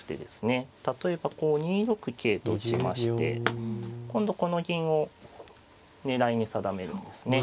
例えばこう２六桂と打ちまして今度この銀を狙いに定めるんですね。